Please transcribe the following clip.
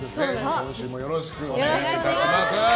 今週もよろしくお願いいたします。